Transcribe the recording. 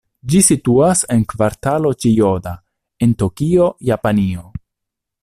Ĝi situas en Kvartalo Ĉijoda en Tokio, Japanio.